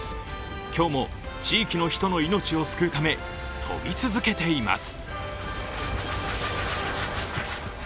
今日も地域の人の命を救うため、飛び続けています。